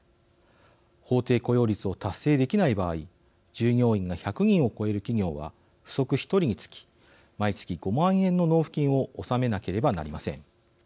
従業員が１００人を超える企業は不足１人につき毎月５万円の納付金を納めなければなりません。